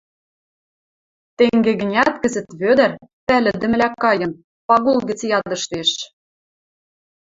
Тенге гӹнят кӹзӹт Вӧдӹр, пӓлӹдӹмӹлӓ кайын, Пагул гӹц ядыштеш.